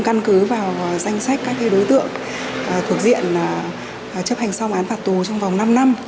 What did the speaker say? căn cứ vào danh sách các đối tượng thuộc diện chấp hành xong án phạt tù trong vòng năm năm